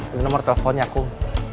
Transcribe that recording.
ini nomor telponnya kum